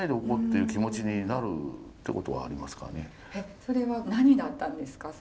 それは何だったんですか？